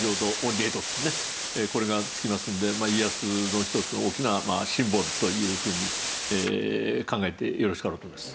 これがつきますので家康の一つの大きなシンボルというふうに考えてよろしかろうと思います。